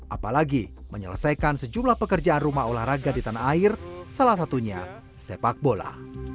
apalagi menyelesaikan sejumlah pekerjaan rumah olahraga di tanah air salah satunya sepak bola